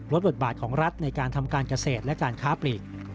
บทบาทของรัฐในการทำการเกษตรและการค้าปลีก